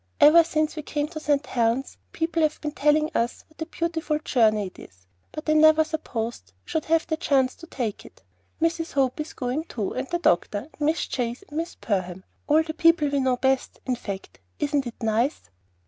Ever since we came to St. Helen's, people have been telling us what a beautiful journey it is; but I never supposed we should have the chance to take it. Mrs. Hope is going too, and the doctor, and Miss Chase and Miss Perham, all the people we know best, in fact. Isn't it nice?"